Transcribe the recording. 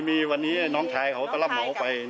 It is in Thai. มีวันนี้น้องชายเขาก็รับเหมาไป